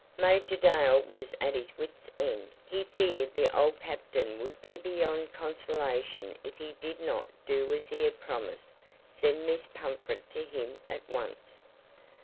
Major Dale was at his wits' end. He feared the old captain would be beyond consolation if he did not do as he had promised send Miss Pumfret to him at once.